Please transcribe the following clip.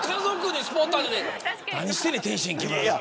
何してんねん天津木村。